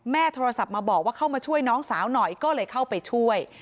โทรศัพท์มาบอกว่าเข้ามาช่วยน้องสาวหน่อยก็เลยเข้าไปช่วย